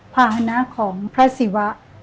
ภาษณะของพระศิวะ